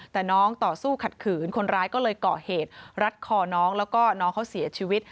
แต่น้องต่อสู้ขัดขืนคนร้ายก็เลยก่อเหตุรัดคอน้องแล้วก็น้องเขาเสียชีวิต